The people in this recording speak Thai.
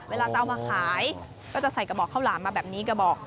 เวลาจะเอามาขายก็จะใส่กระบอกข้าวหลามมาแบบนี้กระบอก